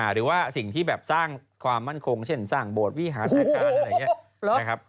หรือว่าสิ่งที่แบบสร้างความมั่นคงเช่นสร้างโบสถวิหารอะไรอย่างนี้นะครับ